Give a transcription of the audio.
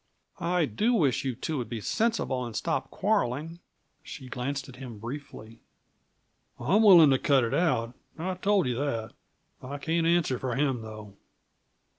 "I do wish you two would be sensible, and stop quarreling." She glanced at him briefly. "I'm willing to cut it out I told you that. I can't answer for him, though."